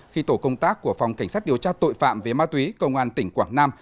khi tổ công tác của phòng cảnh sát điều tra tội phạm về ma túy công an tỉnh quảng nam